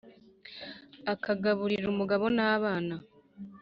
Aka gaburira umugabo n’abana.